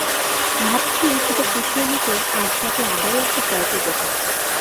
ভাবছি, সেটা পুষিয়ে নিতে আজ রাতে আবারও একটা পার্টি দেব।